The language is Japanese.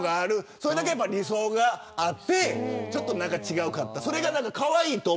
それだけ理想があってちょっと違うなと思う。